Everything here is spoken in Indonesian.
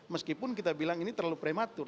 meskipun kita bilang ini terlalu prematur